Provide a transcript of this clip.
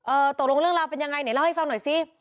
ตกลงเรื่องราวเป็นยังไงไหนเล่าให้ฟังหน่อยสิ